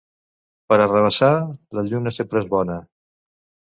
Per arrabassar, la lluna sempre és bona.